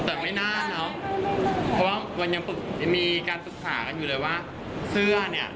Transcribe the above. แต่ไม่น่าเนอะเพราะว่ามันยังมีการปรึกษากันอยู่เลยว่าเสื้อเนี่ย